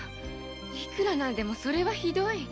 いくら何でもそれはひどい。